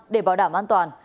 để bảo đảm an toàn